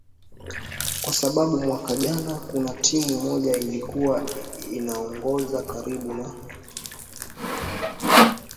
kwa sababu mwaka jana kuna timu moja ilikuwa inaongoza karibu na